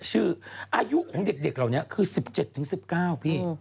อายุของเด็กเหล่านี้คือ๑๗๑๙พี่